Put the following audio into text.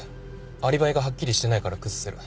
アリバイがはっきりしてないから崩せる。